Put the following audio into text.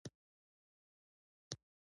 ګلاب نرم او خوشبویه دی.